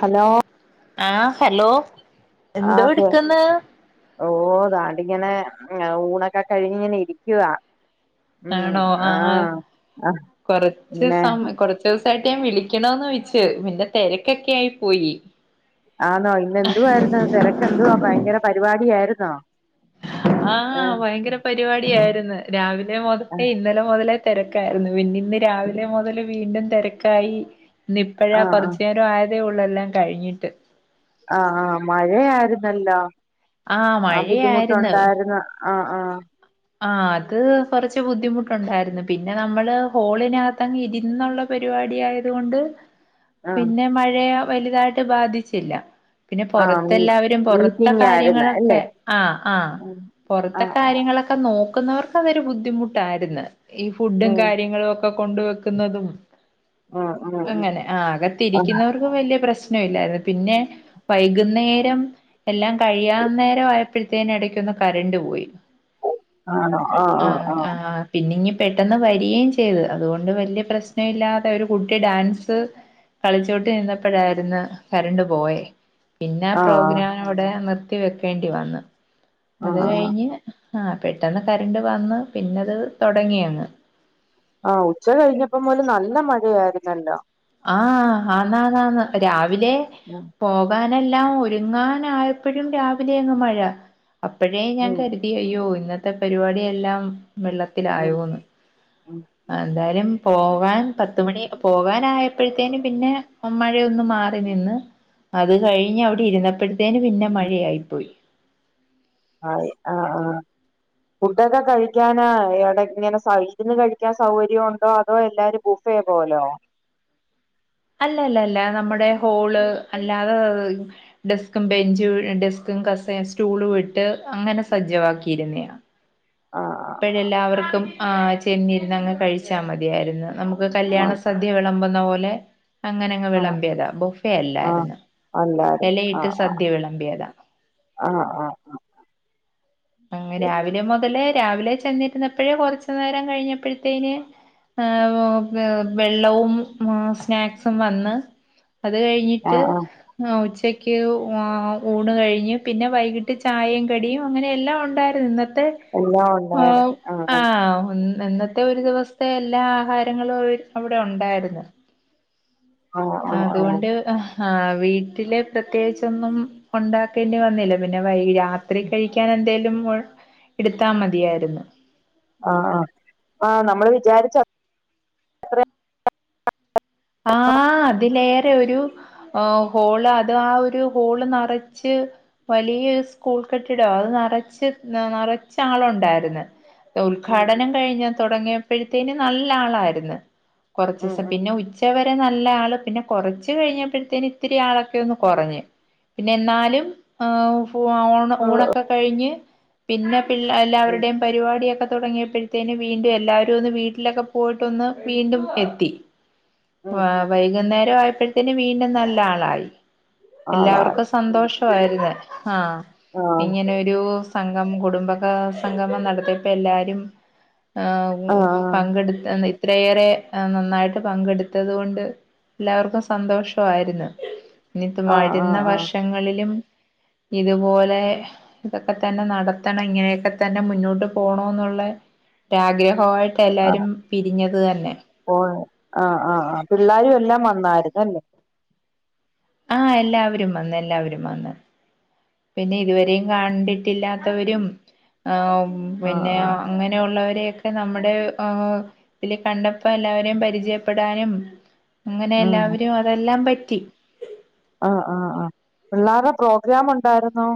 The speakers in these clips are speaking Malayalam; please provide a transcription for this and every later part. ഹലോ ആഹ് ഹലോ എന്തോ ആഹ് കേ എടുക്ക്ന്ന് ഓഹ് താണ്ടിങ്ങനെ ഊണൊക്കെ കഴിഞ്ഞ്ങ്ങനെയിരിക്കുവാ ആണോ ആഹ് ആഹ് കൊറച്ച് പിന്നെ സമയം കൊറച്ചു ച്ചൂസായിട്ട് ഞാൻ വിളിക്കണോന്ന് വെച്ച് പിന്നെ തെരക്കെക്കെയായി പോയി ആന്നോ? ഇന്നെന്തുവായിരുന്നു തെരക്ക് എന്തുവാ ഭയങ്കര പരിപാടിയായിരുന്നോ? ആഹ് ഏഹ് ഭയങ്കര പരിവാടിയായിര്ന്ന് രാവിലെ മുതലേ ആഹ് ഇന്നലെ മുതലേ തെരക്കായിര്ന്നു പിന്നെയിന്ന് രാവിലെ മുതല് വീണ്ടും തെരക്കായി ഇന്നിപ്പെഴാ ആഹ് കൊറച്ചു ആഹ് നേരായതേയൊള്ളു എല്ലാം കഴിഞ്ഞിട്ട് ആ ആ മഴയായിരുന്നല്ലോ ആഹ് ആ മഴയായിരുന്നു ബുദ്ധിമുട്ടുണ്ടായിര്ന്നോ? ആഹ് ആഹ് ആ അത് കുറച്ച് ബുദ്ധിമുട്ടുണ്ടായിരുന്നു പിന്നെ നമ്മള് ഹാളിനകത്തങ്ങ് ഇരുന്നൊള്ള പ രിവാടി ആയതുകൊണ്ട് ആഹ് പിന്നെ മഴയെ വലുതായിട്ട് ബാധിച്ചില്ല പിന്നെ ആഹ് മീ പുറത്തെല്ലാവരും പൊറത്തെ മീറ്റിംഗ് ആയിരുന്നു കാര്യങ്ങളൊക്കെ അല്ലേ ആഹാ ആഹ് പൊറത്തെ ആഹ് കാര്യങ്ങളൊക്കെ നോക്കുന്നവർക്ക് അതൊരു ബുദ്ധിമുട്ടായിര്ന്ന് ഈ ഫുഡും ഉം കാര്യങ്ങളുമൊക്കെ കൊണ്ട് വെക്കുന്നതും ഉം ഉം ഉം അങ്ങനെ ആ ആ അകത്തിരിക്കുന്നവർക്ക് വല്ല്യ പ്രശ്നവില്ലായിരുന്നു പിന്നെ വൈകുന്നേരം എല്ലാം കഴിയാ നേരം ആയപ്പോഴത്തേന് ഇടയ്ക്കൊന്ന് കറന്റ്‌ പോയി ആണോ? ആഹ് ആഹ് ആഹ് പിന്നിങ്ങ് പെട്ടെന്ന് വരികയും ചെയ്ത് അതുകൊണ്ട് വല്ല്യ പ്രശ്നവില്ലാതെ ഒരു കുട്ടി ഡാൻസ് കളിച്ചോണ്ട് നിന്നപ്പഴായിര്ന്ന് കറന്റ്‌ പോയേ പിന്നെ ആ ആഹ് ആഹ് പ്രോഗ്രാമവിടെ നിർത്തി വെക്കേണ്ടി വന്നു അത് ആഹ് കഴിഞ്ഞ് ആ പെട്ടെന്ന് കറന്റ്‌ വന്ന് പിന്നത് തൊടങ്ങിയങ്ങ് ആഹ് ഉച്ച കഴിഞ്ഞപ്പം മുതല് നല്ല മഴയായിരുന്നല്ലോ? ആഹ് ആന്നാ ന്നാന്ന് രാവിലെ ഉം പോകാനെല്ലാം ഒരുങ്ങാനായപ്പഴും രാവിലെ അങ്ങ് മഴ അപ്പഴേ ഞാൻ ഉം കരുതി അയ്യയ്യോ ഇന്നത്തെ പരിപാടിയെല്ലാം ഉം വെള്ളത്തിലായോന്ന് ഉം എന്തായാലും പോകാൻ പത്തുമണി പോകാനായപ്പോഴത്തേനും പിന്നെ മഴയൊന്ന് മാറി നിന്ന് അത് കഴിഞ്ഞ് അവിടെയിരുന്നപ്പഴത്തേന് പിന്നെ മഴയായിപ്പോയി ആയി ആഹ് ആഹ് ഫുഡൊക്കെ കഴിക്കാനായ് അവിടെയിങ്ങനെ സൈഡിന്ന് കഴിക്കാൻ സൗകര്യവുണ്ടോ അതോ എല്ലാരും ബുഫേ പോലോ? അല്ല അല്ല അല്ല നമ്മടെ ഹോള് അല്ലാതെ ഡെസ്കും, ബെഞ്ച്, ഡെസ്ക്കും, കസ സ്റ്റൂളുവിട്ട് അങ്ങനെ സജ്ജവാക്കിയിരുന്നെയാ ആഹ് ആഹ് ഇപ്പോഴെല്ലാവർക്കും ആ ചെന്നിരുന്ന് അങ്ങ് കഴിച്ചാൽ മതിയായിരുന്നു നമുക്ക് കല്യാണ സദ്യ വിളമ്പുന്ന പോലെ അങ്ങനെ അങ്ങ് ആഹ് വിളമ്പിയതാ ബോഫെ ആഹ് അല്ലായിരുന്നു എല്ലാരും ഇലയിട്ട് ആഹ് സദ്യ വിളമ്പിയതാ ആഹ് ആഹ് ആഹ് പിന്നെ രാവിലെ മുതലേ രാവിലെ ചെന്നിരുന്നപ്പോഴേ കൊറച്ചു നേരം കഴിഞ്ഞപ്പോഴത്തേന് അഹ് ഉം വെള്ളവും സ്നാക്സും വന്ന് അത് കഴിഞ്ഞിട്ട് ആഹ് ആഹ് ആ ഉച്ചക്ക് ഊണ് കഴിഞ്ഞു പിന്നെ വൈകിട്ട് ചായയും കടിയും അങ്ങനെ എല്ലാം ഉണ്ടാരുന്നു ഇന്നത്തെ എല്ലാം ഉണ്ടായിരുന്നു ആഹ് ഒന്ന് ഇന്നത്തെ ഒരു ദിവസത്തെ എല്ലാ ആഹാരങ്ങളും അവിടെ ഉണ്ടായിരുന്നു ആഹ് ആഹ് ആഹ് അതുകൊണ്ട് അഹ് ആഹ വീട്ടില് പ്രത്യേകിച്ചൊന്നും ഉണ്ടാക്കേണ്ടി വന്നില്ല പിന്നെ വൈകി റഹ് രാത്രി കഴിക്കാൻ എന്തേലും എടുത്താ മതിയായിരുന്നു ആഹ് ആഹ് നമ്മള് വിചാരിച്ച ആഹ് അതിലേറെ ഒരു ആഹ് ഹോള് അത് ആ ഒരു ഹോള് നിറച്ച് വലിയരു സ്കൂൾ കെട്ടിടോ അത് നിറച്ച് നിറച്ച ആള ഉണ്ടായിന്ന് ഉം ഉദ്ഘാടനം കഴിഞ്ഞ തുടങ്ങിയപ്പോഴത്തേനും നല്ല ആളായിരുന്നു കുറച്ച ഉം ഉം ദിവസം ഉം പിന്നെ ഉ ഉച്ച വരെ നല്ല ആള് പിന്നെ കുറച്ച് കഴിഞ്ഞപ്പോഴത്തേും ഇത്തിരി ആളൊക്കെ ഒന്ന് കുറഞ്ഞ് പിന്നെ എന്നാലും ഓഹ് ഫോ അഹ് ഓ ഊണൊക്കെ കഴിഞ്ഞ് പിന്നെ പിള്ളേ ഉം എല്ലരുടെ പരിപാടിയൊക്കെ തുടങ്ങിയപ്പോഴത്തേും വീണ്ടും എല്ലാവരും ഒന്ന് വീട്ടിലൊക്കെ പോയിട്ടൊന്ന് വീണ്ടും എത്തി ഉം ഉം വൈകുന്നേര ആയപ്പോഴത്തേന് വീണ്ടും നല്ല ആളായി ആളായി എല്ലാവർക്കും സന്തോഷം യിരുന്നു ആഹ് ആഹ് ഇങ്ങനെരു സംഘം കുടുംബ സംഘമം നടത്തിയപ്പോ എല്ലാരും അഹ് ആഹ് പങ്കെടുത്ത് ഇത്രയേറെ നന്നായിട്ട് പങ്കെടുത്ത് ത്തൊണ്ട് എല്ലാവർക്കും സന്തോഷയിരുന്നു ഇനി ആഹ് വരുന്ന ആഹ് വർ ആഹ് വർഷങ്ങളിലും ഇതുപോലെ ഇതൊക്കെ തന്നെ നടത്തണം ഇങ്ങനെയൊക്കെ തന്നെ മുന്നോട്ട് പോണ എന്നുള്ള ഒരാഗ്രഹമായിട്ട് ട്ട എല്ലാവരും പിരിഞ്ഞത് തന്നെ ഒഹ് ആഹ് ആഹ് ആഹ് പിള്ളരുും എല്ലാം വന്നായിരുന്നുല്ലേ ആഹ് എല്ലാവരും വന്ന് എല്ലാവരും വന്ന് പിന്നെ ഇതുവരെയും കണ്ടിട്ടില്ലാത്തവരും അഹ് ആഹ് പിന്നെ ആഹ് അങ്ങനെയുള്ളവരൊക്കെ നമ്മുടെ ആ ലപിന്നെ കണ്ടപ്പോ എല്ലാവരെയും പരിചയപ്പെടാനും അങ്ങനെ ഉം എല്ലാവരും അതെല്ലാം പറ്റി ആഹ ആഹ് അഹ് പിള്ളേരുടെ പ്രോഗ്രാം ഉണ്ടായിരുന്നോ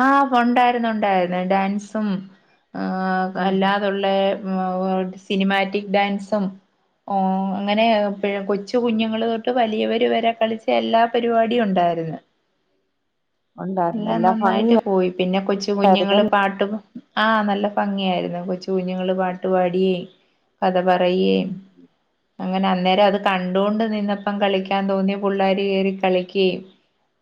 ആഹ് ഉണ്ടായിരുന്നു ഉണ്ടായിരുന്നു ഡാൻസും ആഹ് ഉം അല്ലാ അതുള്ള സിനിമാറ്റിക് ഡാൻസും ഓഹ് അങ്ങനെ കൊച്ചു കുഞ്ഞുങ്ങൾ തൊട്ട് വലിയവർ വരെ കളിച്ച എല്ലാ പരിപാടിയും ഉണ്ടായിരുന്നു എല്ലാം നന്നായിട്ട് പോയി പിന്നെ കൊച്ചു കുഞ്ഞുങ്ങള്ൾ ഭംഗിയായിരുന്നല്ലേ പാട്ട് ആഹ നല്ല ഭംഗിയായിരുന്നു കൊച്ച കുഞ്ഞുങ്ങള്ൾ പാട്ടു പാടിയേ കഥ പറയേ ഉം അങ്ങനെ അന്നേരം അത് കണ്ടുകൊണ്ട് നിന്നപ്പം കളിക്കാൻ തോന്നി പിള്ളേരി കയറി കളിക്ക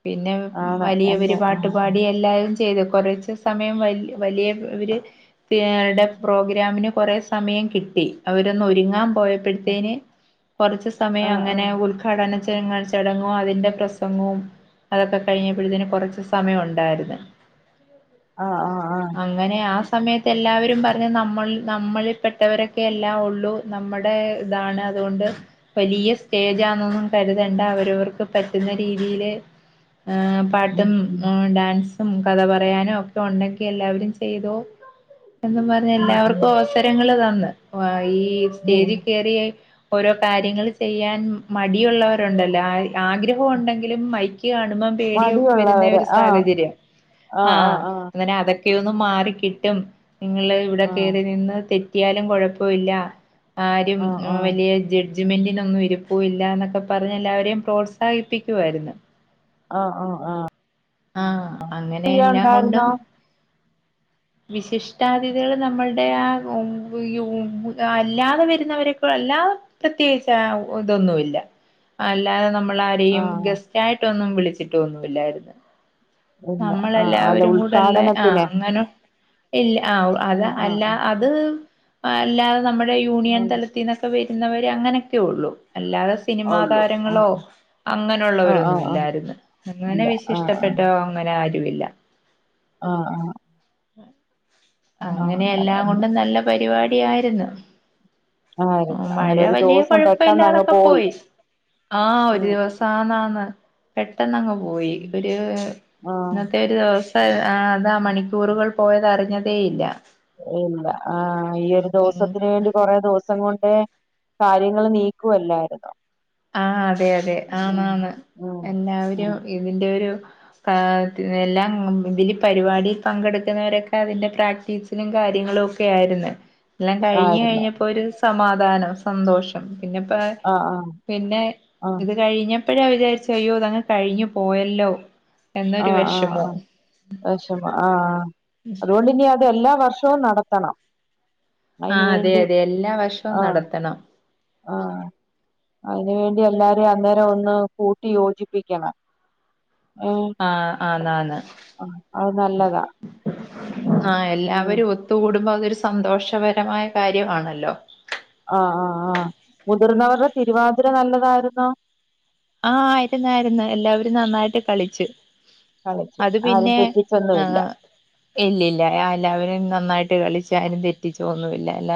പിന്നെ ആണ് വലിയവര് അല്ലേ പാട്ട് ആഹ് പാട എല്ലരും ചെയ്തു കുറച്ച് സമയം വ വലിയ ഇര് ഏടെ പ്രോഗ്രാമിന് കുറേ സമയം കിട്ടി അവരൊന്ന് ഒരുങ്ങാൻ പോയ ടുത്തേന് കുറച്ച് സമയം ആഹ് അങ്ങനെ ആഹ് ഓ ഘടന ച ചടങ്ങും അതിന്റെ പ്രസംഗവും അതൊക്കെ കഴിഞ്ഞപ്പോഴത്തന് കുറച്ച് സമയം ഉണ്ടായിരുന്നു ആഹ് ആഹ് ആഹ അങ്ങനെ ആ സമയത്ത് എല്ലാവരും പറഞ്ഞ് നമ്മൾ നമ്മളിൽ പെട്ടവരൊക്കെ എല്ലാ ഉള്ളൂ. നമ്മുടെ ഇതാണ് അതുകൊണ്ട് വലിയ സ്റ്റേജാന്നൊന്നും കരുതണ്ട അവരവർക്ക് പറ്റുന്ന രീതിയില് ഏഹ ഉം പാട്ടും ഉം ഡാൻസും കഥ പറയാനും ഒക്കെ ഉണ്ടങ്കി എല്ലാവരും ചെയ്തോ എന്നും പറ ഉം ഉം എല്ലാവർക്കും അവസരങ്ങള് തന്ന് ഈ ഉം സ്റ്റേജിൽ കയറിയ ഓരോ കാര്യങ്ങൾ ചെയ്യാൻ മടിയുള്ളവരുണ്ടല്ലോ ആഗ്രഹം ഉണ്ടെങ്കിലും മ [unintelligible] കാണുമ്പം പേടി വരുന്ന മടിയുള്ളവര് ഒരു ആഹ് സാഹചര്യം ആ ആഹ് ആഹ് അങ്ങനെ അതൊ ഒക്കെയൊന്നും മാറിക്കിട്ടും നിങ്ങള് ഇവിടെ ആഹ് കേയറി നിന്ന് തെറ്റിയാലും കുഴപ്പമില്ല. ആരും ആഹ് ആഹ് വലിയ ജ ജജ്മെന്റിനൊന്നും ഇരിപ്പില്ല എന്നൊക്കെ പറഞ്ഞത് എല്ലാവരെയും പ്രോത്സാഹിപ്പിക്കുവായിരുന്നു. ആഹ് ആഹ് ആ ആഹ് അങ്ങനെ എല്ലാം ഉണ്ടായിരുന്നോ കൊണ്ടും വിശിഷ്ടാതിഥികൾ നമ്മളുടെ ആ അല്ലാതെ വരുന്നവരെപ്പ അല്ലാ പ്രത്യേകിച്ച് ഇതൊന്നുല്ല അല്ലാതെ നമ്മള- [unintelligible] ആഹ് ഗസ്റ്റ് ആയിട്ടൊന്നും വിളിച്ചിട്ട് ഒന്നില്ലായിരുന്നു. ഇല്ല ആഹ് അല്ല നമ്മളെല്ലാവരും കൂടെ ഉള്ള ആഹ് ഉദ്ഘാടനത്തിന് അങ്ങനെ ഇല്ല ആ അത് ആഹ് ആഹ് അല്ല അത് അല്ലാതെ നമ്മുടെ യൂണിയൻ ആഹ് തലത്തിന്ന് വരുന്നവർ അങ്ങനെയൊക്കെ ഉള്ളൂ. അല്ലാ ആഹ് സിനിമാ ഉള്ളൂ ആഹ് താരങ്ങളോ അങ്ങനെയുള്ളവരൊന്നും ആഹ് ആഹ് ഇല്ലായിരുന്നു. അങ്ങനെ ഇല്ല ആഹ് ആഹ് വിശിഷ്ടപ്പെട്ടോ വരാരുരുമില്ല ആ ആ അങ്ങനെ ആഹ് എല്ലാം ആഹ് കൊണ്ടും നല്ല പരിപാടി ആയിരുന്നു. ആയിരുന്നു മഴ അങ്ങനെ ഒരു വലിയ ദിവസം പെട്ടെന്നങ്ങ് കുഴപ്പമല്ലാതൊക്കെ പോയി ആഹ് ഒരു ഉം ദിവസം ഉം. സാന്ന് ആന്ന് പെട്ടെന്ന്ങ്ങ് പോയി ഉം. ഒരു ആഹ് ഇന്നത്തെ ഒരു ദിവസം ആ അതാ മണിക്കൂറുകൾ പോയത് അറിഞ്ഞതേ ഇല്ല. ഇല്ല ആ ഈ ഒരു ഉം ദിവസത്തിന് വേണ്ടി കൊറേ ദിവസം കൊണ്ട് കാര്യങ്ങൾ നീക്കുവല്ലായിരുന്നോ ആ അതെ അതെ ഉം ആണാണ് ഉം എല്ലാവരും ഉം ഇതിന്റെ ഒരു ആ എല്ലാം ഇതില് പരിപാടിയിൽ പങ്കെടുക്കുന്നവരൊക്കെ അതിന്റെ പ്രാക്ടീസ് ലി കാര്യങ്ങളും ഒക്കെ ആയിരുന്നു. എല്ലാം കഴിഞ്ഞ് ആയിരുന്നു കഴിഞ്ഞപ്പോൾ ഒരു സമാധാനം സന്തോഷം. പിന്നെപ്പോ ആ ആ പിന്നെ ഇത് കഴിഞ്ഞപ്പോഴാ വിചാരിച്ച അയ്യോതങ്ങ് കഴിഞ്ഞു പോയല്ലോ. എന്നൊരു ആഹ് ആഹ് വിഷമവും ആഹ [unintelligible] ആ് ആ് അതുകൊണ്ട് അതെ എല്ലാ വർഷവും നടത്തണം. ആ അയിന് അതെ വേണ്ടി അതെ എല്ലാ വർഷവും ആഹ് നടത്തണം. ആഹ് അതിന് വേണ്ടി എല്ലാരും അന്നേരം ഒന്ന് കൂട്ടി യോജിപ്പിക്കണം. ഓ ആഹ് ആ ന്ന് ആന്ന് ആ അത് നല്ലതാ ആഹ് ഉം എല്ലാവരും ഒത്തുകൂടുമ്പോ അതൊരു സന്തോഷപരമായ കാര്യമാണല്ലോ ആ ആഹ് ആഹ് മുതിർന്നവരുടെ തിരുവാതിര നല്ലതായിരുന്നോ ആഹ് ആയിരുന്നായിരുന്നു എല്ലാവരും നന്നായിട്ട് കളിച്ചു കളിച്ചു അത് ആരും പിന്നെ തെറ്റിച്ചൊന്നുമില്ല ആഹ് ഇല്ലല്ലാ എല്ലാവരും നന്നായിട്ട് കളിച്ച് ആരും തെറ്റിച്ചോന്നില്ല അല്ല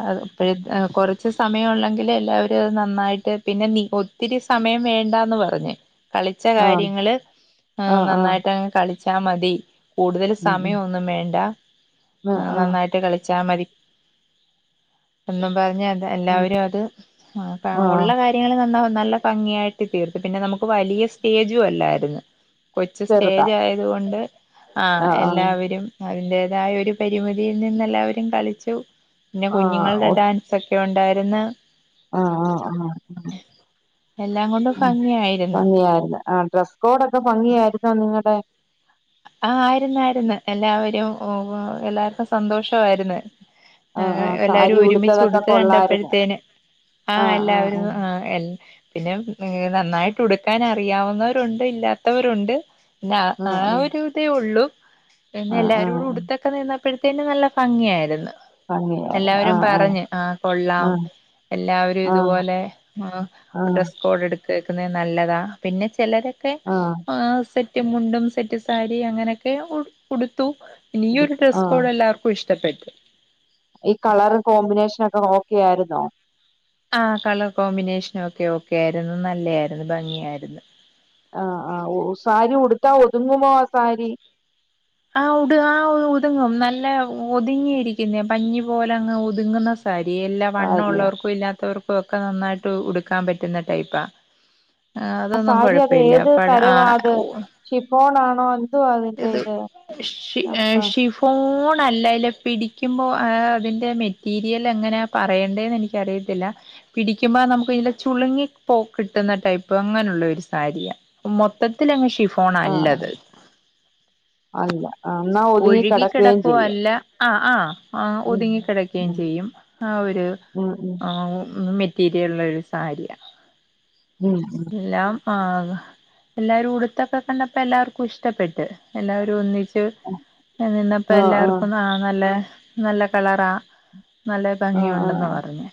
അ ഇപ്പോഴ കുറച്ച് സമയം ഉള്ളെങ്കിൽ എല്ലാവരും അത് നന്നായിട്ട് പിന്നെ ന- ത്തിരി സമയം വേണ്ടന്ന് പറഞ്ഞ് കളിച്ച ആഹ് കാര്യങ്ങള് ആഹ് ആഹ് നന്നായിട്ട് അങ്ങ് കള- ച്ചാ മതി കൂടുതൽ ഉം ഉം സമയം ഒന്നും വേണ്ട ആഹ് ആഹ് നന്നായി ട്ട് കളിച്ചാ മതി എന്നും പറ- ഉം എല്ലാവരും അത് ഉള്ള ആഹ് കാര്യങ്ങൾ നന്നാ- നല്ല ഭംഗിയായിട്ട് ചെയ്തു പിന്നെ നമുക്ക് വലിയ സ്റ്റേജും അല്ലായിരുന്നു കൊച് സ്റ്റേജ ചെറുതാ ആയത കൊണ്ട് ആ ആഹ് ആഹ് എല്ലാവരും അതിന്റെതായ ഒരു പരിമിതിയിൽ നിന്ന് എല്ലാവരും കളിച്ചു പിന്നെ ആഹ് കുഞ്ഞുങ്ങളുടെ ഓ ഡാൻസ് ഒക്കെ ഉണ്ടായിരുന്ന ആഹ് ആഹ് എല്ലാം കൊണ്ടും ആ ഭംഗിയായിരുന്നു ഭംഗിയായിരന്ന് ആ ഡ്രസ് കോഡൊക്കെ ഭംഗിയായിരുന്നോ നിങ്ങടെ ആഹ് ആയിരുന്നായിരുന്ന് എല്ലാവരും എല്ലാർക്കും സന്തോഷം ആയിരുന്ന് ആഹ് എല്ലാവരും സാരി ഒരുമിച്ചു ഉടുത്തതൊക്കെ ഉടുത്ത് കൊള്ളായിരുന്നു കണ്ടപ്പോഴത്തേന് ആ എല്ലാവരും ആഹ് എല്ലാ പിന്നെ നന്നായിട്ട് ഉടുക്കാൻ അറിയാവുന്നവരുണ്ട് ഇല്ലാത്തവരുണ്ട് പിന്നെ ആഹ് ആ ആഹ് ഒരു ഇതേ ഉള്ളൂ പിന്നെ ആഹ് ആഹ് എല്ലാരോടും ആഹ് ഉടുത്ത ത്തൊക്കെ നിന്നപ്പോഴത്തേന് നല്ല ഭംഗിയായിരുന്ന് ഭംഗിയായിരുന്നു എല്ലാവരും ആഹ് ആഹ് പറഞ്ഞ് ആ കൊള്ളാം ആഹ് എല്ലാവരും ആഹ് ഇതുപോലെ ആഹ് ആഹ് ഡ്രസ്സ് കോഡ് എടു ത്തേക്കുന്നെ നല്ലതാ പിന്നെ ചിലരൊക്കെ ആഹ് സെറ്റും മുണ്ടും സെറ്റ് സാരി അങ്ങനെയൊക്കെ ഉ ഉടുത്തു ഈ ഒരു ഡ്രസ്സ് ആഹ് കോഡ് എല്ലാവർക്കും ഇഷ്ടപ്പെട്ടു ഈ കളറ് കോമ്പിനേഷനൊക്കെ ഓക്കെ ആയിരുന്നോ ആഹ് കളർ കോമ്പിനേഷനൊക്കെ ഓക്കെ ആയിരുന്നു നല്ല ആയിരുന്നു ഭംഗിയായിരുന്നു ആഹ് ആ ഓ സാരി ഉടുത്താ ഒതുങ്ങുമോ ആ സാരി ആ ഉടു ആ ഒതുങ്ങും നല്ല ഒതുങ്ങിയിരിക്കുന്നേ പഞ്ഞി പോലെ അങ്ങ് ഒതുങ്ങുന്ന സരി ഇല്ലാ സാരി വണ്ണമുള്ളവർക്കും ഇല്ലാത്തവർക്കും ഒക്കെ നന്നായിട്ട് ഉടുക്കാൻ പറ്റുന്ന ടൈപ്പാ ആ അതൊന്നും സാരി അത് കുഴപ്പമില്ല ഏത് പഴ തരവാ അത് ആ ഷിഫോൺ ആണോ എന്തുവാ അതിന്റെ ഏത് ഇത് ഷി അപ്പ ഷിഫോ ഫോണ് അല്ല ഇല്ലേ പിടിക്കുമ്പോൾ അതിൻ്റെ മെറ്റീരിയൽ എങ്ങനാ പറയണ്ടേന്ന് എനിക്ക് എനിക്ക് അറിയത്തില്ല പിടിക്കുമ്പോ നമുക്ക് ഇല്ലേ ചുളുങ്ങി പോ കിട്ടുന്ന ടൈപ്പ് അങ്ങനെയുള്ള ഒരു സാരിയാ മൊത്തത്തില് അങ്ങ് ആഹ് ഷിഫോണല്ലത് അല്ല എന്നാ ഒതുങ്ങി ഒഴുകി കിടക്കുകയും കിടക്കുവ ചെയ്യും അല്ല ആഹ് ആഹ് ആ ഒതുങ്ങിക്കിടക്കയും ഉം ചെയ്യും ആ ഒരു ഉം ഉം മെറ്റ മെറ്റീരിയലുള്ള ഒരു സാരിയാ ഉം എല്ലാം ആഹ് എല്ലാരും ഉടുത്തൊക്കെ കണ്ടപ്പോ എല്ലാവർക്കും ഇഷ്ടപ്പെട്ട് എല്ലാവരും ഒന്നിച്ച് ഉം നിന്നപ്പോ എല്ലാവർക്കും ആഹ് നല്ല നല്ല കളറാ നല്ല ആഹ് ഭംഗിയുണ്ടെന്ന് ആഹ് പറഞ്ഞ്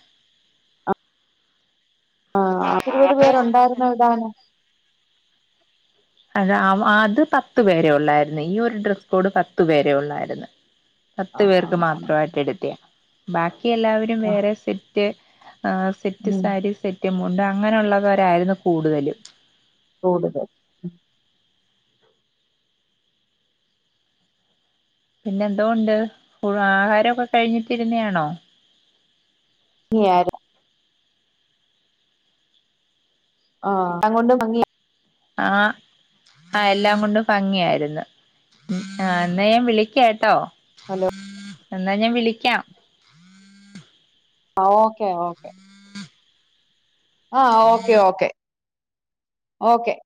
ആഹ് പത്ത് ഇരുപത് പേരുണ്ടായിരുന്നോ അ അത് പത്ത് പേരെ ഉള്ളായിരുന്ന് ഈ ഒരു ഡ്രസ്സ് കോഡ് പത്തു പേരെ ഉണ്ടായിരുന്ന് പത്ത് ആഹ് പേർക്ക് ആഹ് ആഹ് മാത്രമായിട്ട് എടുത്തയാ ബാക്കി എല്ലാവരും ആഹ് വേറെ സെറ്റ് ആഹ് സെറ്റ് ഉം സാരി സെറ്റ് മുണ്ട്‌ അങ്ങനെയുള്ളവരായിരുന്നു കൂടുതലും കൂടുതൽ പിന്നെ എന്തോണ്ട് ആഹാരം ഒക്കെ കഴിഞ്ഞിട്ടിരുന്നാണോ [unintelligible] ആഹ് എല്ലാംകൊണ്ട് ഭംഗിയാ ആഹ് ആഹ് എല്ലാം കൊണ്ടും ഭംഗിയായിരുന്ന് ആഹ് എന്നാ ഞാൻ വിളിക്ക കേട്ടോ ഹലോ എന്നാ ഞാൻ വിളിക്കാം ഓക്കെ ഓക്കെ ആഹ് ഓക്കേ ഓക്കേ ഓക്കെ